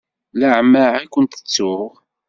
Leɛmeɛ i kent-ttuɣ.